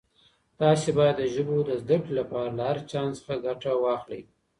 تاسي باید د ژبو د زده کړې لپاره له هر چانس څخه ګټه واخلئ.